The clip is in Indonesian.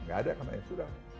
gak ada karena sudah